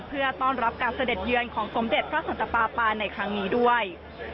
เพื่อต้อนรับการเสด็จเยือนของสมเด็จพระสันตปาปาในครั้งนี้ด้วย